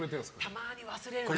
たまに忘れるの。